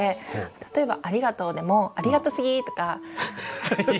例えば「ありがとう」でも「ありがとすぎ」とか。